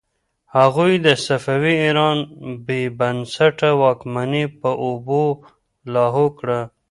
هغوی د صفوي ایران بې بنسټه واکمني په اوبو لاهو کړه.